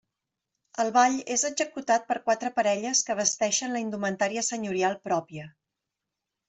El ball és executat per quatre parelles que vesteixen la indumentària senyorial pròpia.